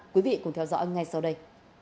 quý vị cùng theo dõi ngay sau đây